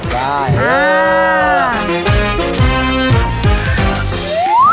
แบบใกล้